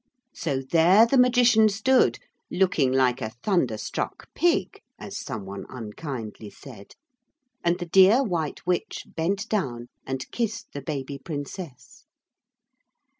So there the Magician stood, 'looking like a thunder struck pig,' as some one unkindly said, and the dear White Witch bent down and kissed the baby princess.